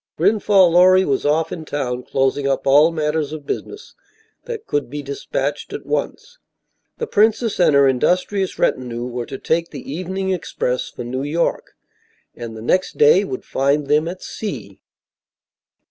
Grenfall Lorry was off in town closing up all matters of business that could be despatched at once. The princess and her industrious retinue were to take the evening express for New York and the next day would find them at sea.